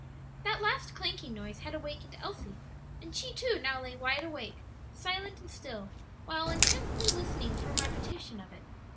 That last clanking noise had awakened Elsie, and she too now lay wide awake, silent and still, while intently listening for a repetition of it.